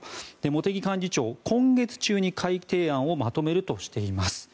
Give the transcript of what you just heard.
茂木幹事長、今月中に改定案をまとめるとしています。